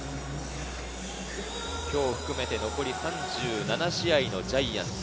今日を含めて残り３７試合のジャイアンツ。